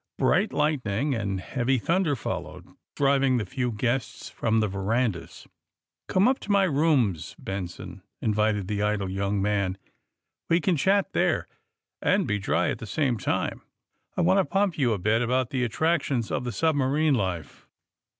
Bright lightning and heavy thunder followed, driving the few guests from the verandas. '^ Come up to my rooms, Benson, '' invited the idle young man. ^^We can chat there and be dry at the same time. I want to pump you a bit about the attractions of the submarine life.''